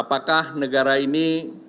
apakah negara ini menjadikan